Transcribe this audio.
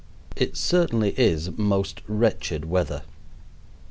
It certainly is most wretched weather.